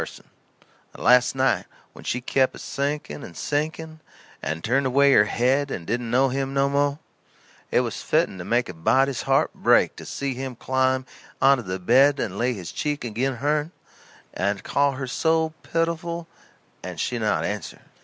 And last night when she kep' a sinking and sinking, and turned away her head and didn't know him no mo', it was fitten to make a body's heart break to see him climb onto the bed and lay his cheek agin hern and call her so pitiful and she not answer.